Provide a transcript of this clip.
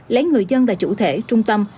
lấy người dân là chủ thể trung tâm